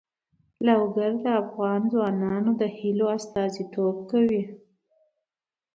لوگر د افغان ځوانانو د هیلو استازیتوب کوي.